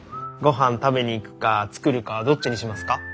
ごはん食べに行くか作るかどっちにしますか？